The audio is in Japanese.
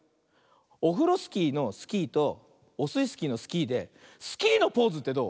オフロスキーの「スキー」とオスイスキーの「スキー」でスキーのポーズってどう？